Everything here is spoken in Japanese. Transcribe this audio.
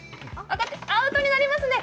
アウトになりますね。